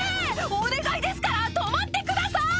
お願いですから止まってください！